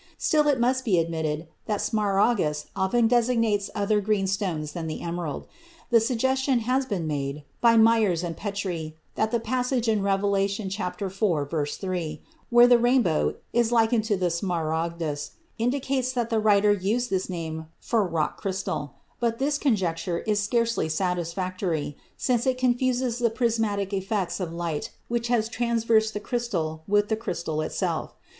Still it must be admitted that smaragdus often designates other green stones than the emerald. The suggestion has been made (by Myers and Petrie) that the passage in Revelation iv, 3, where the rainbow is likened to the smaragdus, indicates that the writer used this name for rock crystal; but this conjecture is scarcely satisfactory, since it confuses the prismatic effects of light which has traversed the crystal with the crystal itself.